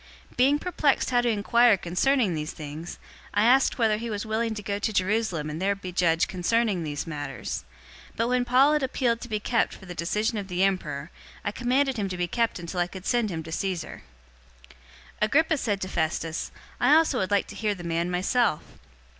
025:020 Being perplexed how to inquire concerning these things, I asked whether he was willing to go to Jerusalem and there be judged concerning these matters. 025:021 But when Paul had appealed to be kept for the decision of the emperor, I commanded him to be kept until I could send him to Caesar." 025:022 Agrippa said to Festus, "I also would like to hear the man myself."